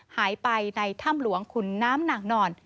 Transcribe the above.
หายไปในถ้ำหลวงขุนน้ำนางนอน